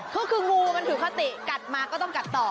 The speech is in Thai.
คือคืองูมันถือคติกัดมาก็ต้องกัดต่อ